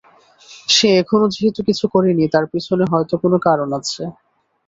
সে এখনও যেহেতু কিছু করে নি, তার পেছনে হয়তো কোন কারন আছে।